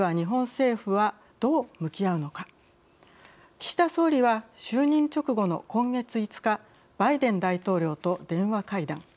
岸田総理は就任直後の今月５日バイデン大統領と電話会談。